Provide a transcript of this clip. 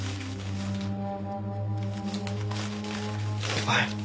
お前